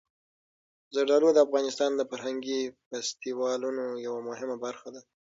زردالو د افغانستان د فرهنګي فستیوالونو یوه مهمه برخه ده.